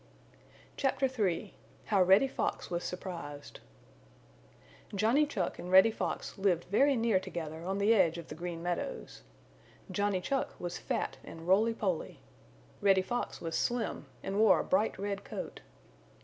CHAPTER III HOW REDDY FOX WAS SURPRISED Johnny Chuck and Reddy Fox lived very near together on the edge of the Green Meadows. Johnny Chuck was fat and roly poly. Reddy Fox was slim and wore a bright red coat.